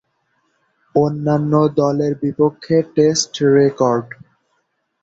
অন্যান্য দলের বিপক্ষে টেস্ট রেকর্ড